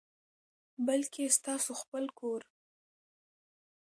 بلکي ستاسو خپل کور،